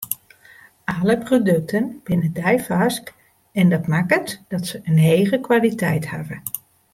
Alle produkten binne deifarsk en dat makket dat se in hege kwaliteit hawwe.